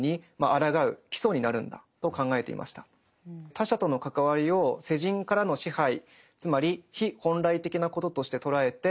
他者との関わりを世人からの支配つまり非本来的なこととして捉えて